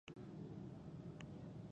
همدا شان د نور محمد وردک وژنه